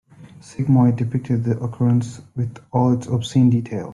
Sigmund depicted the occurrence with all its obscene details.